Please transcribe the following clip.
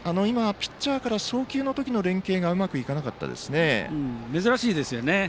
ピッチャーから走塁のときの連係がうまくいかなかったですね。